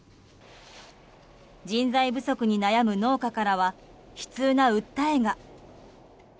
人材不足に悩む農家からは悲痛な訴えが。